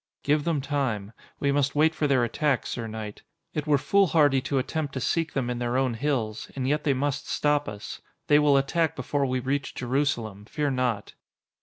"Give them time. We must wait for their attack, sir knight. It were foolhardy to attempt to seek them in their own hills, and yet they must stop us. They will attack before we reach Jerusalem, fear not."